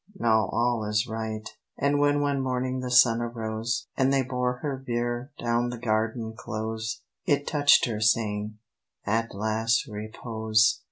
now all is right." And when one morning the sun arose, And they bore her bier down the garden close, It touched her, saying, "At last, repose."